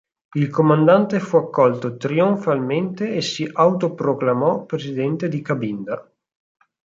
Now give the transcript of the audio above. Il comandante fu accolto trionfalmente e si autoproclamò presidente di Cabinda.